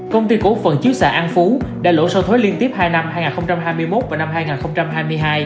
công ty cổ phần chiếu xã an phú đã lộ sâu thuế liên tiếp hai năm hai nghìn hai mươi một và năm hai nghìn hai mươi hai